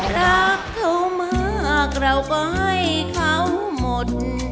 รักเขามากเราก็ให้เขาหมด